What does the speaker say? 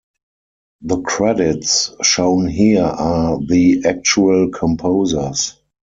The credits shown here are the actual composers.